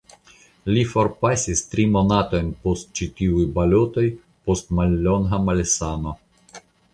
Li forpasis tri monatojn post ĉi tiuj balotoj post mallonga malsano.